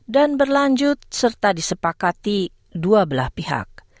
dan berlanjut serta disepakati dua belah pihak